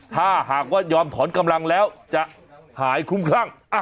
ถ้าหากว่ายอมถอนกำลังแล้วจะหายคลุ้มคลั่ง